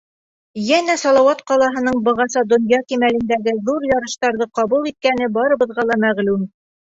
Йәнә Салауат ҡалаһының бығаса донъя кимәлендәге ҙур ярыштарҙы ҡабул иткәне барыбыҙға ла мәғлүм.